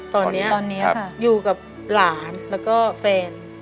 ตอนนี้อยู่กับหลานแล้วก็แฟน